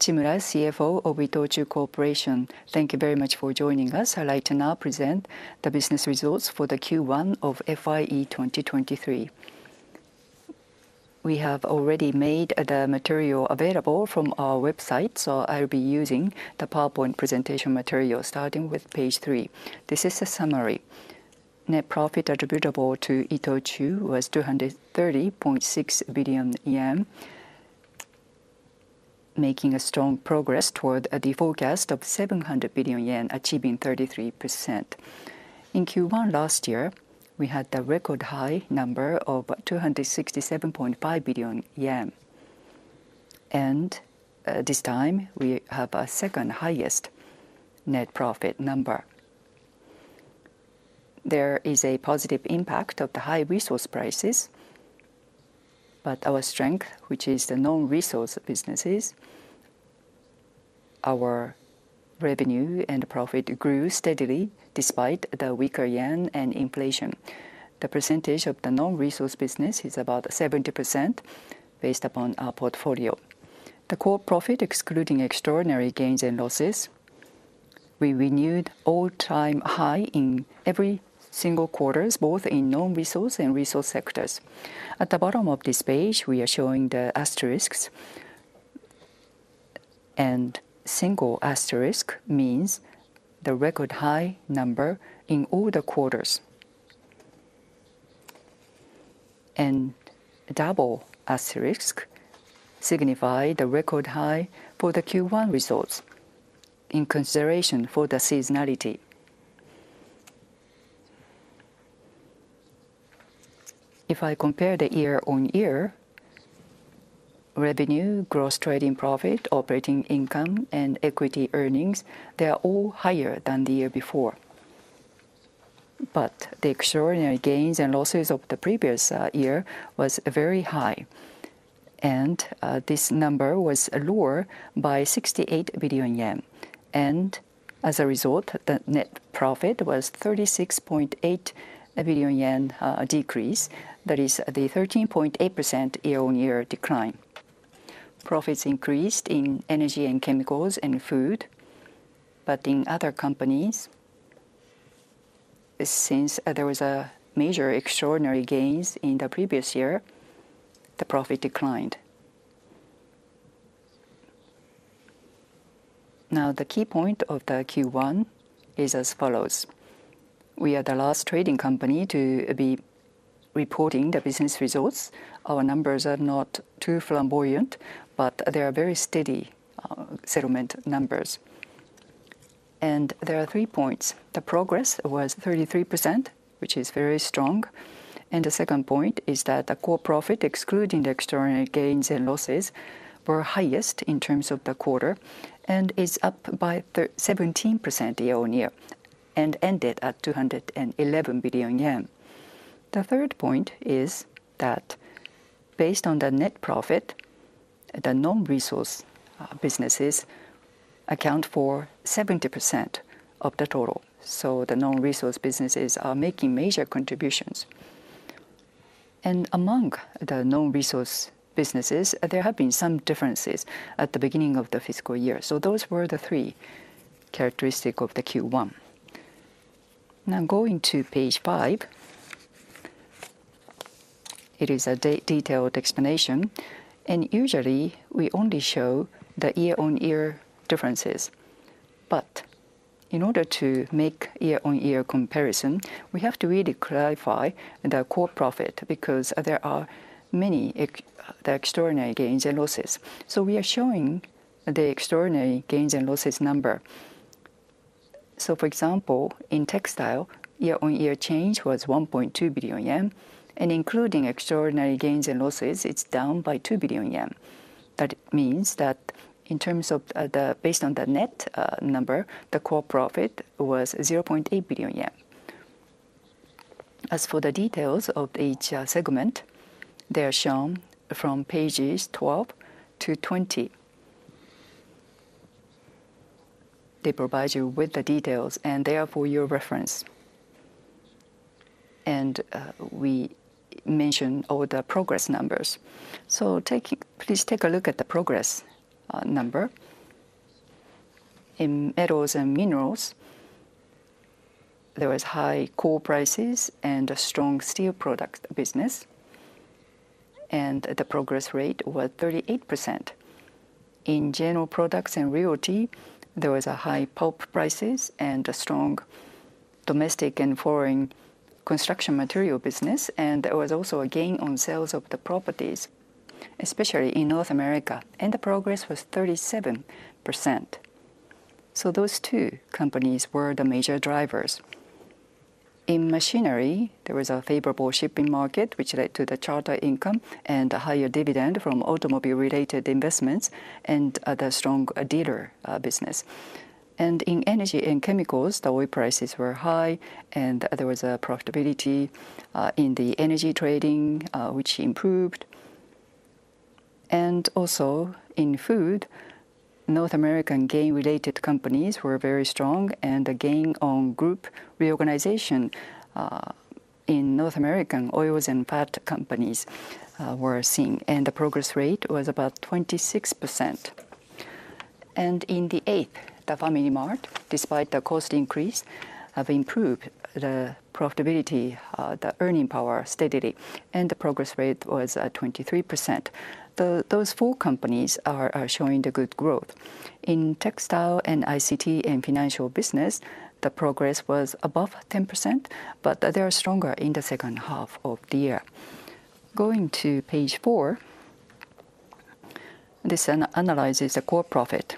Tsuyoshi Hachimura, Chief Financial Officer of ITOCHU Corporation. Thank you very much for joining us. I'd like to now present the business results for the Q1 of FYE 2023. We have already made the material available from our website, so I'll be using the PowerPoint presentation material, starting with page three. This is a summary. Net profit attributable to ITOCHU was 230.6 billion yen, making a strong progress toward the forecast of 700 billion yen, achieving 33%. In Q1 last year, we had the record high number of 267.5 billion yen. This time we have our second-highest net profit number. There is a positive impact of the high resource prices, but our strength, which is the non-resource businesses, our revenue and profit grew steadily despite the weaker yen and inflation. The percentage of the non-resource business is about 70% based upon our portfolio. The core profit, excluding extraordinary gains and losses, we renewed all-time high in every single quarters, both in non-resource and resource sectors. At the bottom of this page, we are showing the asterisks. Single asterisk means the record high number in all the quarters. Double asterisk signify the record high for the Q1 results in consideration for the seasonality. If I compare the year-on-year, revenue, gross trading profit, operating income, and equity earnings, they are all higher than the year before. The extraordinary gains and losses of the previous year was very high. This number was lower by 68 billion yen. As a result, the net profit was 36.8 billion yen decrease. That is the 13.8% year-on-year decline. Profits increased in energy and chemicals and food, but in other companies, since there was a major extraordinary gains in the previous year, the profit declined. Now, the key point of the Q1 is as follows. We are the last trading company to be reporting the business results. Our numbers are not too flamboyant, but they are very steady settlement numbers. There are three points. The progress was 33%, which is very strong. The second point is that the core profit, excluding the extraordinary gains and losses, were highest in terms of the quarter and is up by 17% year-on-year and ended at 211 billion yen. The third point is that based on the net profit, the non-resource businesses account for 70% of the total. The non-resource businesses are making major contributions. Among the non-resource businesses, there have been some differences at the beginning of the fiscal year. Those were the three characteristics of the Q1. Now, going to page five, it is a detailed explanation, and usually, we only show the year-on-year differences. In order to make year-on-year comparison, we have to really clarify the core profit because there are many extraordinary gains and losses. We are showing the extraordinary gains and losses number. For example, in Textile, year-on-year change was 1.2 billion yen, and including extraordinary gains and losses, it's down by 2 billion yen. That means that in terms of based on the net number, the core profit was 0.8 billion yen. As for the details of each segment, they are shown from Page 12-Page 20. They provide you with the details, and they are for your reference. We mention all the progress numbers. Please take a look at the progress number. In metals and minerals, there was high coal prices and a strong steel product business, and the progress rate was 38%. In general products and realty, there was high pulp prices and a strong domestic and foreign construction material business, and there was also a gain on sales of the properties, especially in North America, and the progress was 37%. Those two companies were the major drivers. In machinery, there was a favorable shipping market, which led to the charter income and a higher dividend from automobile-related investments and the strong dealer business. In energy and chemicals, the oil prices were high, and there was a profitability in the energy trading, which improved. In food, North American grain-related companies were very strong, and the gain on group reorganization in North American oils and fats companies were strong. The progress rate was about 26%. In The 8th Company, the FamilyMart, despite the cost increase, have improved the profitability, the earning power steadily, and the progress rate was at 23%. Those four companies are showing the good growth. In textile and ICT and financial business, the progress was above 10%, but they are stronger in the second half of the year. Going to page four, this analyzes the core profit.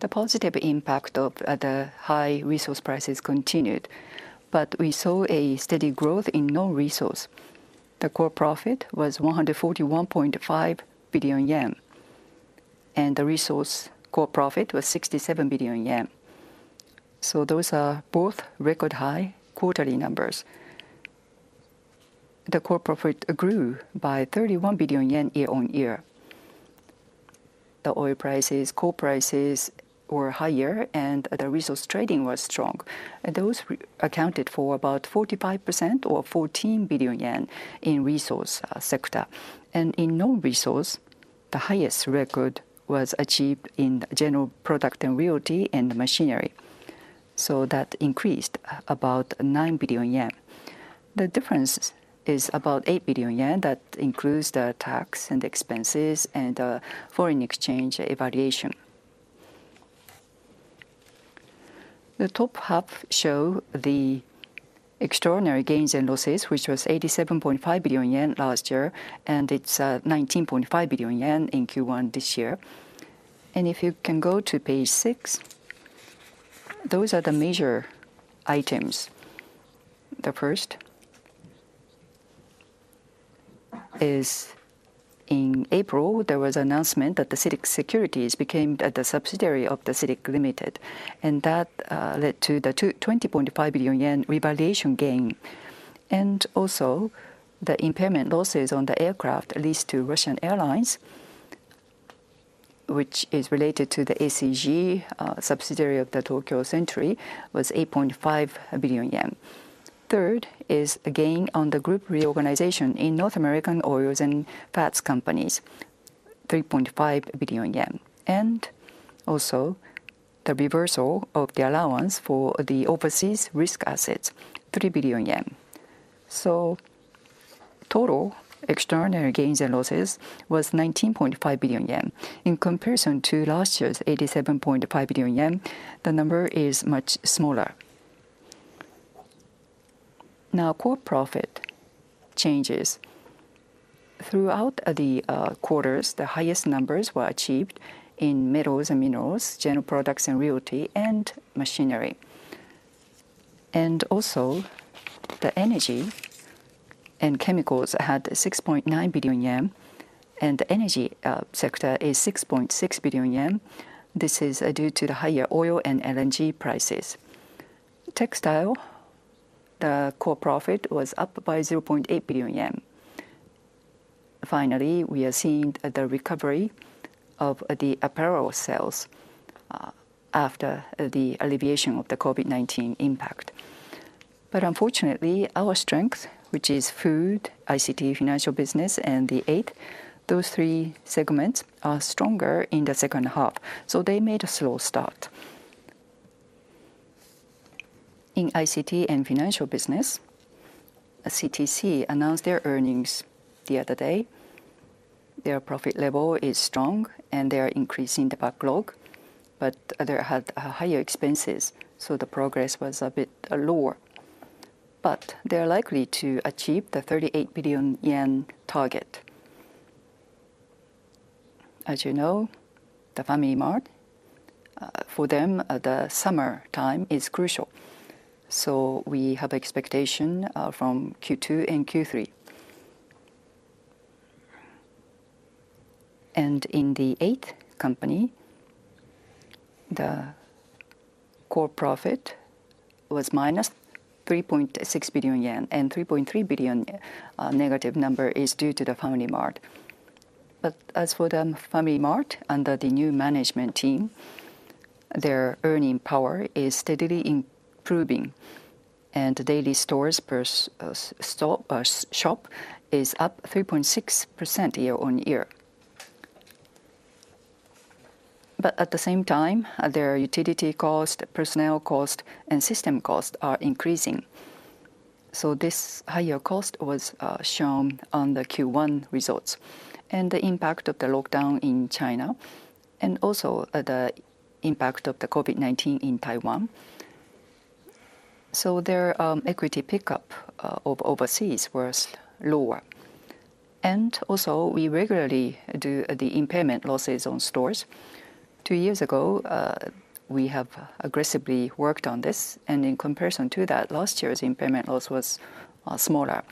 The positive impact of the high resource prices continued, but we saw a steady growth in non-resource. The core profit was 141.5 billion yen, and the resource core profit was 67 billion yen. Those are both record high quarterly numbers. The core profit grew by 31 billion yen year-on-year. The oil prices, coal prices were higher, and the resource trading was strong. Those accounted for about 45% or 14 billion yen in resource sector. In non-resource, the highest record was achieved in general product and realty and machinery. That increased about 9 billion yen. The difference is about 8 billion yen. That includes the tax and expenses and foreign exchange revaluation. The top half shows the extraordinary gains and losses, which was 87.5 billion yen last year, and it's 19.5 billion yen in Q1 this year. If you can go to page six, those are the major items. The first is in April, there was announcement that the CITIC Securities became the subsidiary of the CITIC Limited, and that led to the 20.5 billion yen revaluation gain. The impairment losses on the aircraft leased to Russian airlines, which is related to the ACG subsidiary of the Tokyo Century, was 8.5 billion yen. Third is the gain on the group reorganization in North American oils and fats companies, 3.5 billion yen. The reversal of the allowance for the overseas risk assets, 3 billion yen. Total extraordinary gains and losses was 19.5 billion yen. In comparison to last year's 87.5 billion yen, the number is much smaller. Now, core profit changes. Throughout the quarters, the highest numbers were achieved in metals and minerals, general products and realty, and machinery. Also the energy and chemicals had 6.9 billion yen, and the energy sector is 6.6 billion yen. This is due to the higher oil and LNG prices. Textile, the core profit was up by 0.8 billion yen. Finally, we are seeing the recovery of the apparel sales after the alleviation of the COVID-19 impact. Unfortunately, our strength, which is food, ICT, financial business, and the 8th, those three segments are stronger in the second half, so they made a slow start. In ICT and financial business, CTC announced their earnings the other day. Their profit level is strong, and they are increasing the backlog, but they had higher expenses, so the progress was a bit lower. They're likely to achieve the 38 billion yen target. As you know, the FamilyMart, for them, the summertime is crucial. We have expectation from Q2 and Q3. In the 8th Company, the core profit was -3.6 billion yen, and 3.3 billion negative number is due to the FamilyMart. As for the FamilyMart, under the new management team, their earning power is steadily improving, and the daily sales per store is up 3.6% year-on-year. At the same time, their utility cost, personnel cost, and system cost are increasing. This higher cost was shown on the Q1 results. The impact of the lockdown in China, and also the impact of the COVID-19 in Taiwan. Their equity pickup of overseas was lower. We regularly do the impairment losses on stores. Two years ago, we have aggressively worked on this, and in comparison to that, last year's impairment loss was smaller.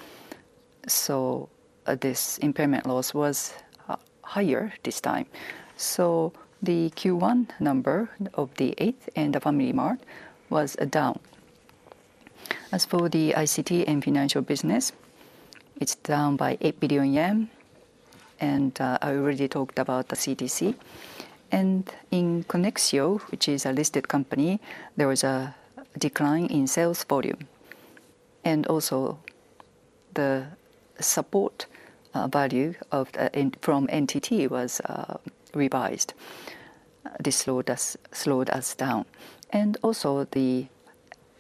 This impairment loss was higher this time. The Q1 number of The 8th Company in the FamilyMart was down. As for the ICT and financial business, it's down by 8 billion yen. I already talked about the CTC. In CONEXIO, which is a listed company, there was a decline in sales volume. The support value from NTT was revised. This slowed us down.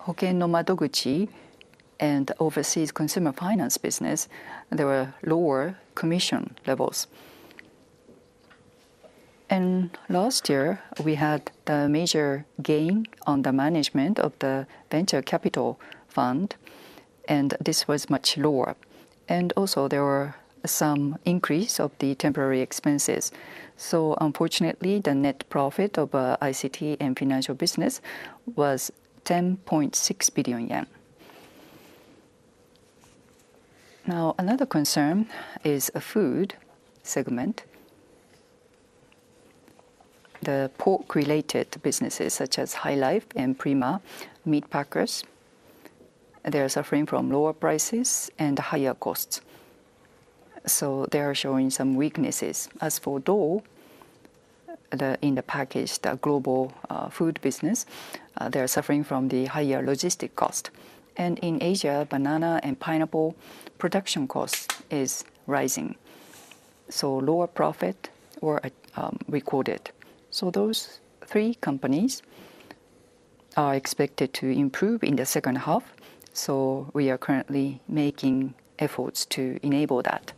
The Hoken no Madoguchi and overseas consumer finance business, there were lower commission levels. Last year, we had the major gain on the management of the venture capital fund, and this was much lower. Also there were some increase of the temporary expenses. Unfortunately, the net profit of ICT and financial business was JPY 10.6 billion. Now, another concern is a food segment. The pork-related businesses, such as HyLife and Prima Meat Packers, they are suffering from lower prices and higher costs. They are showing some weaknesses. As for Dole, in the packaged global food business, they are suffering from the higher logistic cost. In Asia, banana and pineapple production cost is rising, so lower profit were recorded. Those three companies are expected to improve in the second half. We are currently making efforts to enable that.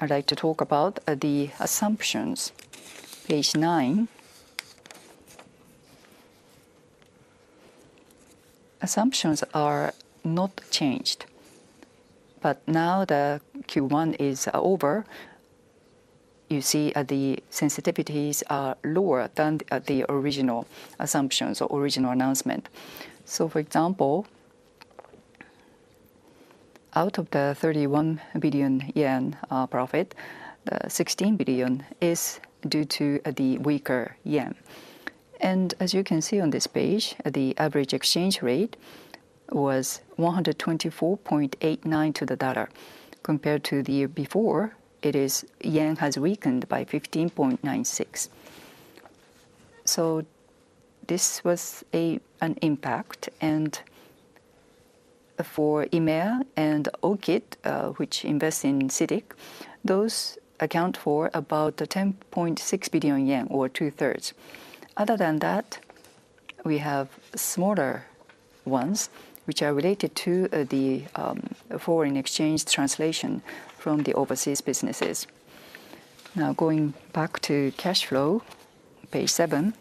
I'd like to talk about the assumptions, page nine. Assumptions are not changed, but now the Q1 is over. You see, the sensitivities are lower than the original assumptions or original announcement. For example, out of the 31 billion yen profit, 16 billion is due to the weaker yen. As you can see on this page, the average exchange rate was 124.89 to the $1. Compared to the year before, yen has weakened by 15.96. This was an impact. For EMEA and OCIC, which invests in CITIC, those account for about 10.6 billion yen, or 2/3. Other than that, we have smaller ones, which are related to the foreign exchange translation from the overseas businesses. Now, going back to cash flow, page seven.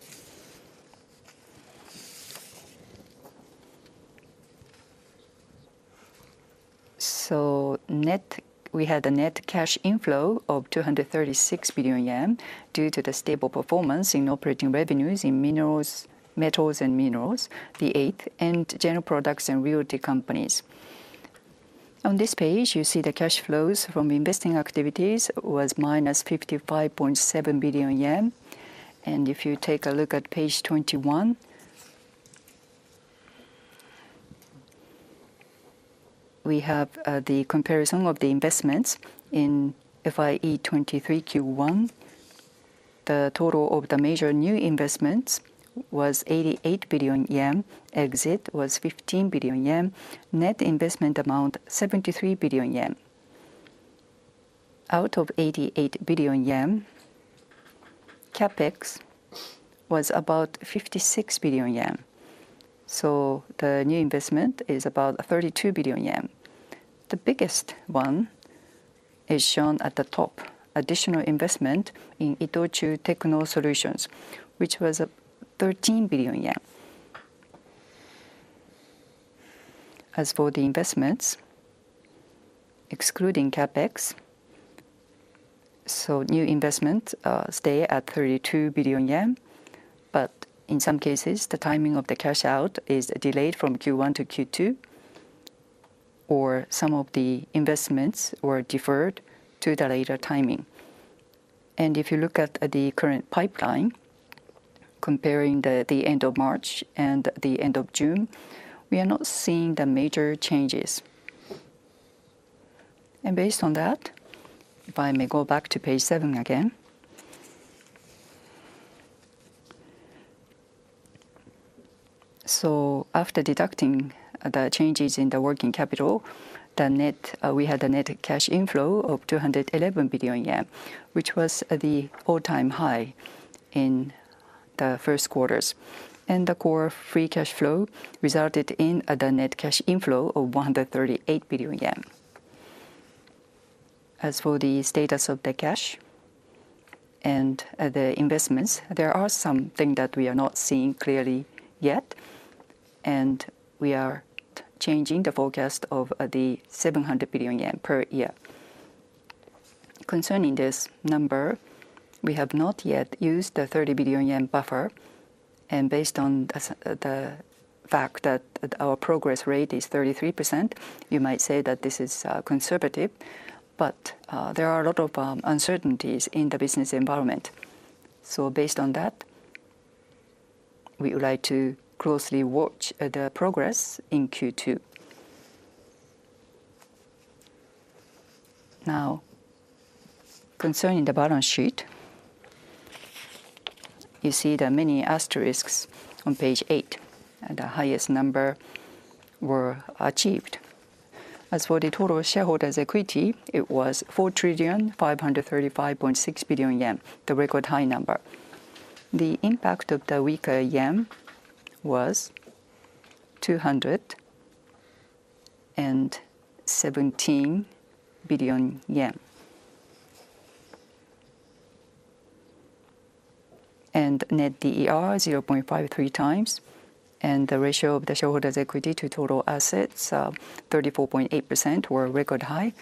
We had a net cash inflow of 236 billion yen due to the stable performance in operating revenues in minerals, metals and minerals, The 8th Company, and general products and realty companies. On this page, you see the cash flows from investing activities was minus 55.7 billion yen. If you take a look at Page 21, we have the comparison of the investments in FYE 2023 Q1. The total of the major new investments was 88 billion yen. Exit was 15 billion yen. Net investment amount, 73 billion yen. Out of 88 billion yen, CapEx was about 56 billion yen. The new investment is about 32 billion yen. The biggest one is shown at the top, additional investment in ITOCHU Techno-Solutions, which was JPY 13 billion. As for the investments, excluding CapEx, so new investments, stay at 32 billion yen. In some cases, the timing of the cash out is delayed from Q1-Q2, or some of the investments were deferred to the later timing. If you look at the current pipeline, comparing the end of March and the end of June, we are not seeing the major changes. Based on that, if I may go back to page seven again. After deducting the changes in the working capital, the net, we had a net cash inflow of 211 billion yen, which was at the all-time high in the first quarters. The core free cash flow resulted in the net cash inflow of 138 billion yen. As for the status of the cash and the investments, there are some things that we are not seeing clearly yet, and we are changing the forecast of the 700 billion yen per year. Concerning this number, we have not yet used the 30 billion yen buffer. Based on the fact that our progress rate is 33%, you might say that this is conservative, but there are a lot of uncertainties in the business environment. Based on that, we would like to closely watch the progress in Q2. Now concerning the balance sheet, you see the many asterisks on page eight, and the highest number were achieved. As for the total shareholders' equity, it was 4,535.6 billion yen. The record high number. The impact of the weaker yen was JPY 217 billion. Net DER, 0.53x. The ratio of the shareholders' equity to total assets, 34.8% were a record high.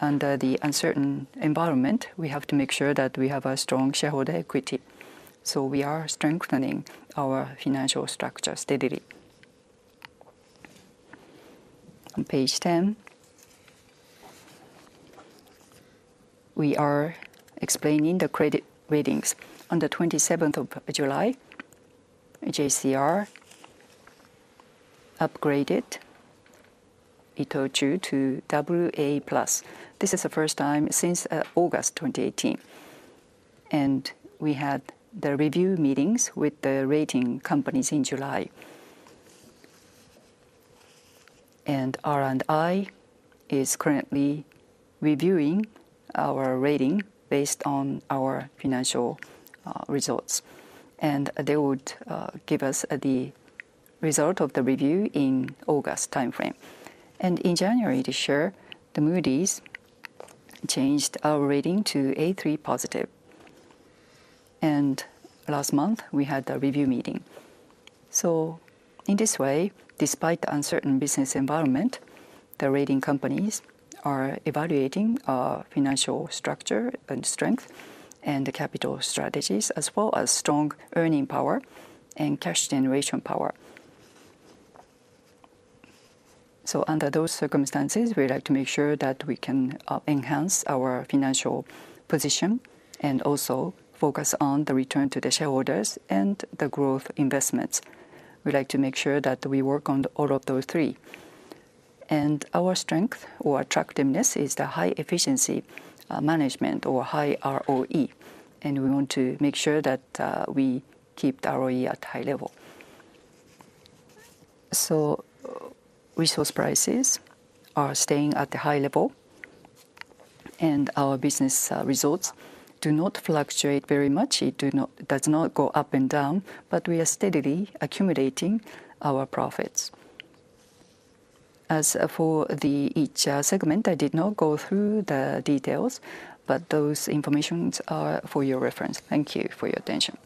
Under the uncertain environment, we have to make sure that we have a strong shareholder equity. We are strengthening our financial structure steadily. On Page 10, we are explaining the credit ratings. On July 27th, JCR upgraded ITOCHU to AA+. This is the first time since August 2018. We had the review meetings with the rating companies in July. R&I is currently reviewing our rating based on our financial results. They would give us the result of the review in August timeframe. In January this year, Moody's changed our rating to A3 positive. Last month we had a review meeting. In this way, despite the uncertain business environment, the rating companies are evaluating our financial structure and strength and the capital strategies as well as strong earning power and cash generation power. Under those circumstances, we like to make sure that we can enhance our financial position and also focus on the return to the shareholders and the growth investments. We'd like to make sure that we work on all of those three. Our strength or attractiveness is the high efficiency management or high ROE, and we want to make sure that we keep the ROE at high level. Resource prices are staying at the high level and our business results do not fluctuate very much. It does not go up and down, but we are steadily accumulating our profits. As for the each, segment, I did not go through the details, but those information are for your reference. Thank you for your attention.